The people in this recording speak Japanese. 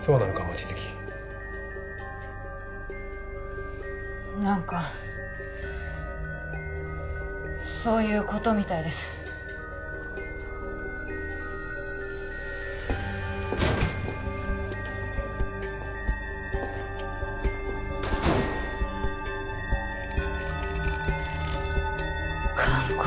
望月何かそういうことみたいですガンコ